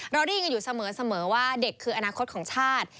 เราได้ยินกันอยู่เสมอว่าเด็กคืออนาคตของชาติ